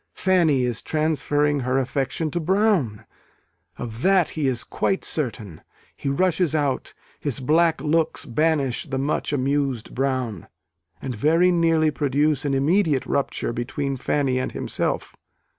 Fanny is transferring her affection to Brown: of that he is quite certain. He rushes out: his black looks banish the much amused Brown, and very nearly produce an immediate rupture between Fanny and himself.